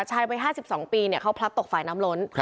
ชายวัย๕๒ปีเขาพลัดตกฝ่ายน้ำล้น